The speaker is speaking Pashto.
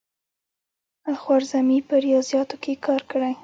الخوارزمي په ریاضیاتو کې کار کړی.